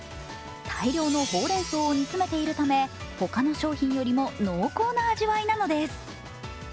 大量のほうれんそうを煮詰めているため他の商品よりも濃厚な味わいなのです。